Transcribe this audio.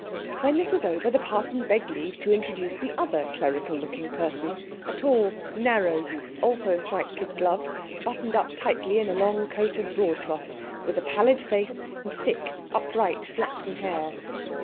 When this was over, the parson begged leave to introduce the other clerical looking person, a tall narrow youth, also in white kid gloves, buttoned up tightly in a long coat of broadcloth, with a pallid face and thick, upright flaxen hair.